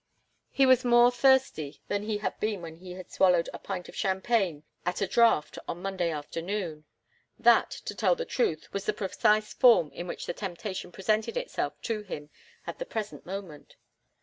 He was more thirsty than he had been when he had swallowed a pint of champagne at a draught on Monday afternoon. That, to tell the truth, was the precise form in which the temptation presented itself to him at the present moment.